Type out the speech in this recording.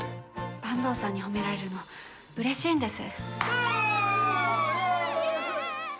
坂東さんに褒められるのうれしいんです。